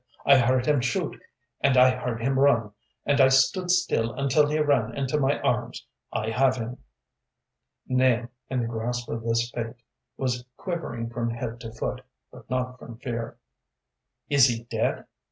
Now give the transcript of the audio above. "I heard him shoot, and I heard him run, and I stood still until he ran into my arms. I have him." Nahum, in the grasp of this fate, was quivering from head to foot, but not from fear. "Is he dead?"